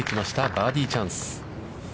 バーディーチャンス。